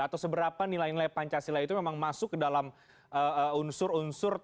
atau seberapa nilai nilai pancasila itu memang masuk ke dalam unsur unsur